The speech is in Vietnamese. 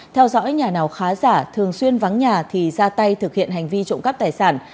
theo dõi nhà nào khá giả thường xuyên vắng nhà thì ra tay thực hiện hành vi trộm cắp tài sản